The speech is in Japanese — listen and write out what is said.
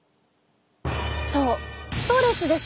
そうストレスです。